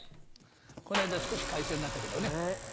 この間少し改正になったけどね。